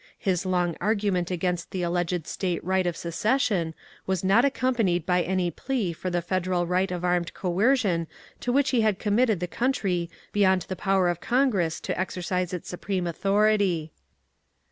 His long argument against the alleged State right of secession was not accompanied by any plea for the Federal right of armed coercion to which he had committed the coun try beyond the power of Congress to exercise its supreme authority.